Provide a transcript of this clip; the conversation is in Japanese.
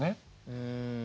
うん。